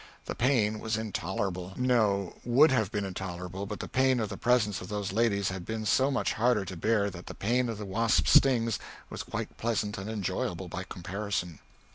The pain was intolerable no, would have been intolerable, but the pain of the presence of those ladies had been so much harder to bear that the pain of the wasps' stings was quite pleasant and enjoyable by comparison.